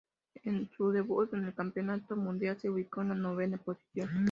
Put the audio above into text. En su debut en el Campeonato Mundial se ubicó en la novena posición.